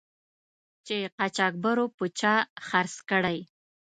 چې قاچاقبرو په چا خرڅ کړی.